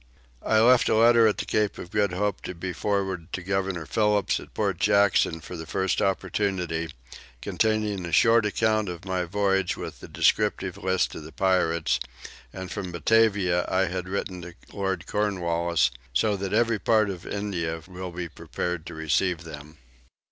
I left a letter at the Cape of Good Hope to be forwarded to governor Phillips at Port Jackson by the first opportunity, containing a short account of my voyage with a descriptive list of the pirates: and from Batavia I had written to Lord Cornwallis, so that every part of India will be prepared to receive them.